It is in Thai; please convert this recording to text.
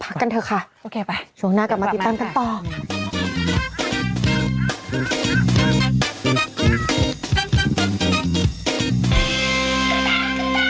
พักกันเถอะค่ะช่วงหน้าก่อนมาติดตามกันต่อไปค่ะไป